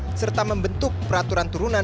lembaga pdp serta membentuk peraturan turunan